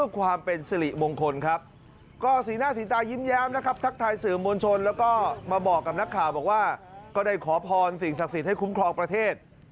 มาบอกกับนักข่าวบอกว่าก็ได้ขอพรสิ่งศักดิ์สินให้คุ้มครองประเทศ